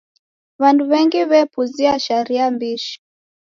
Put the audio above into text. W'andu w'engi w'epuzia sharia mbishi.